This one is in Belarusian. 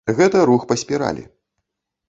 Гэта рух па спіралі.